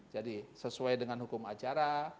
jadi sesuai dengan hukum acara